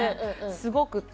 すごくて。